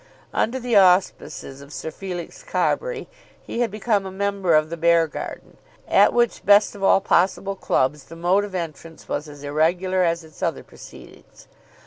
Under the auspices of Sir Felix Carbury he had become a member of the Beargarden, at which best of all possible clubs the mode of entrance was as irregular as its other proceedings.